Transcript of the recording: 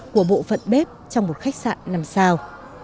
của bộ phận bếp trong một khách sạn năm sao